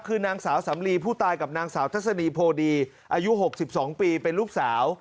คือนางสาวสำลีผู้ตายกับนางสาวทัศนีโพดีอายุ๖๒ปีเป็นลูกสาว